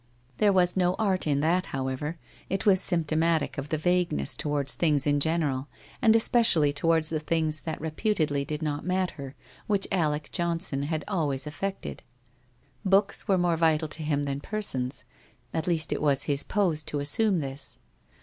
There was no art in that, however; it was symptomatic of the vagueness towards things in general, and especially towards the things that reputedly do not matter, which Alec Johnson had always affected. Books were more vital to him than persons, at least it was his pose to assume this.